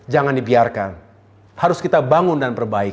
jangan dibiarkan harus kita bangun dan perbaiki